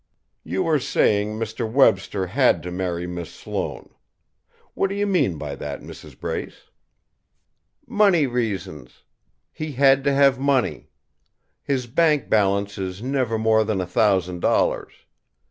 "You were saying Mr. Webster had to marry Miss Sloane. What do you mean by that, Mrs. Brace?" "Money reasons. He had to have money. His bank balance is never more than a thousand dollars.